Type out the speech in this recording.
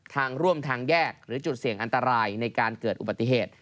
ทางร่วมทางแยกหรือจุดเสี่ยงอันตรายในการเกิดอุบัติเหตุ